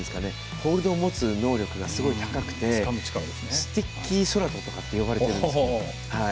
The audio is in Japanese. ホールドを持つ能力がすごい高くてスティッキー宙斗とかって呼ばれてるんですけど。